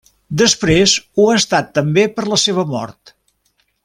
Després ho ha estat també per la seva mort.